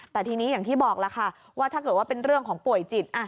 แต่ทีนี้อย่างที่บอกล่ะค่ะว่าถ้าเกิดว่าเป็นเรื่องของป่วยจิต